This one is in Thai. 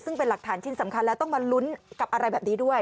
ซึ่งเป็นหลักฐานชิ้นสำคัญแล้วต้องมาลุ้นกับอะไรแบบนี้ด้วย